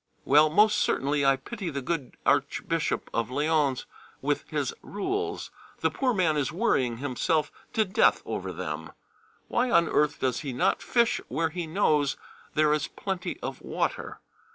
Well, most certainly I pity the good Archbishop of Lyons with his rules: the poor man is worrying himself to death over them. Why on earth does he not fish where he knows there is plenty of water.